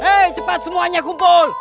hei cepat semuanya kumpul